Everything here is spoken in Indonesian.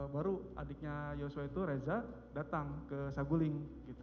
baru adiknya yosua itu reza datang ke saguling